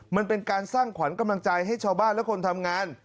มันเป็นการสร้างขวัญกำลังใจให้ชาวบ้านและคนทำงาน